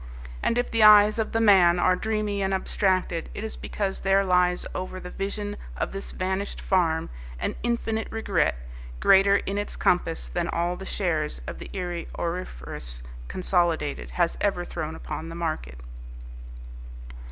And if the eyes of the man are dreamy and abstracted, it is because there lies over the vision of this vanished farm an infinite regret, greater in its compass than all the shares the Erie Auriferous Consolidated has ever thrown upon the market.